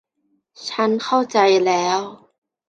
ฉันเข้าใจแล้ว